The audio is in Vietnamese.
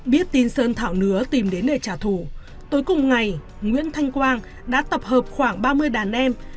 biết tin sơn thảo nứa tìm đến nơi trả thủ tối cùng ngày nguyễn thanh quang đã tập hợp khoảng ba mươi đàn em